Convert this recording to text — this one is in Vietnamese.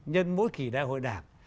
nhân mỗi kỳ đại hội đảng